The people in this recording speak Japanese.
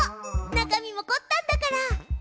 中身もこったんだから。